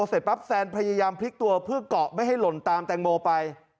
เสร็จปั๊บแซนพยายามพลิกตัวเพื่อเกาะไม่ให้หล่นตามแตงโมไป